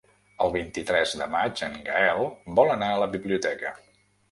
El vint-i-tres de maig en Gaël vol anar a la biblioteca.